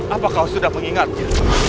apakah sudah mengingatnya